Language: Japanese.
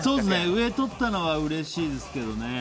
上を取ったのはうれしいですけどね。